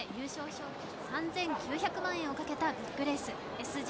賞金３９００万円をかけたビッグレース、ＳＧ